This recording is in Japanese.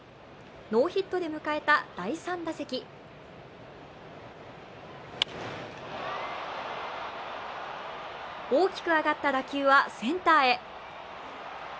ノーヒットで迎えた第３打席大きく上がった打球はセンターへ。